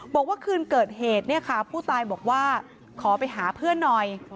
บอกว่าคืนเกิดเหตุเนี่ยค่ะผู้ตายบอกว่าขอไปหาเพื่อนหน่อย